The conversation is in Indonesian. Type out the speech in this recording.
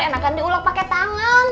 enakan diulek pake tangan